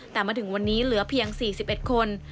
แต่มาถึงวันนี้เหลือเพียง๔๑คน